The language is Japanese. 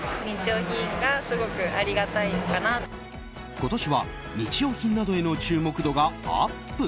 今年は日用品などへの注目度がアップ。